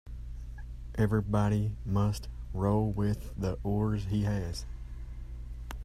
Everybody must row with the oars he has.